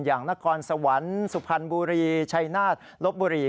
นครสวรรค์สุพรรณบุรีชัยนาฏลบบุรี